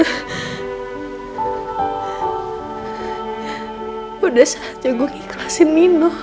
udah gak ada harapan lagi buat rumah tangga gue sama nino